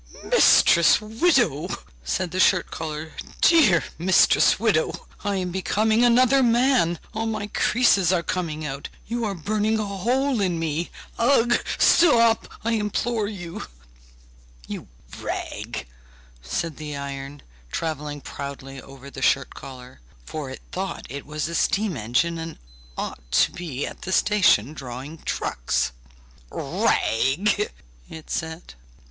'Mistress widow!' said the shirt collar, 'dear mistress widow! I am becoming another man, all my creases are coming out; you are burning a hole in me! Ugh! Stop, I implore you!' 'You rag!' said the iron, travelling proudly over the shirt collar, for it thought it was a steam engine and ought to be at the station drawing trucks. 'Rag!' it said.